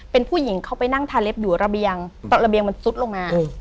เป็นผู้หญิงเขาไปนั่งทาเล็บอยู่ระเบียงตอนระเบียงมันซุดลงมา